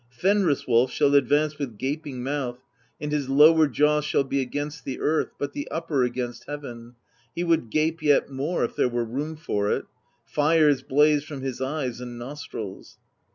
Fenris Wolf shall advance with gap ing mouth, and his lower jaw shall be against the earth, but the upper against heaven, — he would gape yet more if there were room for it ; fires blaze from his eyes and nos trils.